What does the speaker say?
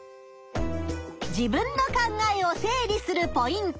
自分の考えを整理するポイント。